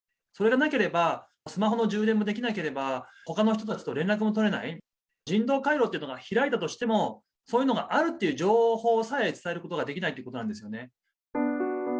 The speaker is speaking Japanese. それがなければスマホの充電もできなければ、ほかの人たちと連絡も取れない、人道回廊というものが開いたとしても、そういうのがあるっていう情報さえ、伝えることができないということなんですよね。